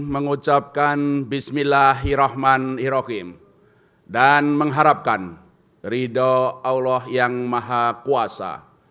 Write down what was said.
mengucapkan bismillahirrohmanirrohim dan mengharapkan ridha allah yang maha kuasa